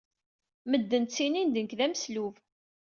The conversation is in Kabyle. Medden ttinin-d nekk d ameslub.